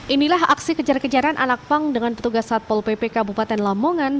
inilah aksi kejar kejaran anak pang dengan petugas satpol pp kabupaten lamongan